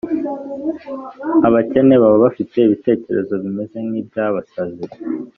Abakene baba bafite ibitekerezo bimeze nkibyabasazi